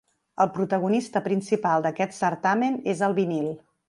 El protagonista principal d’aquest certamen és el vinil.